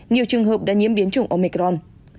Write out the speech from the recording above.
nhiều trường hợp đã nhiễm biến chủng omicron